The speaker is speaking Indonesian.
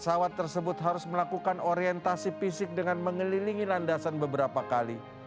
pesawat tersebut harus melakukan orientasi fisik dengan mengelilingi landasan beberapa kali